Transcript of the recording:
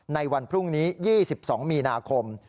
ในวันพรุ่งนี้๒๒มีนาคม